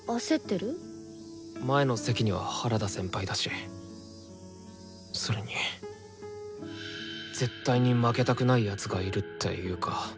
前の席には原田先輩だしそれに絶対に負けたくない奴がいるっていうか。